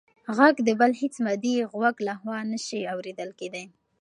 غږ د بل هېڅ مادي غوږ لخوا نه شي اورېدل کېدی.